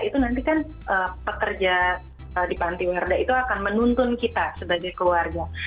itu nanti kan pekerja di pantiwerda itu akan menuntun kita sebagai keluarga